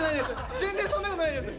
全然そんなことないです！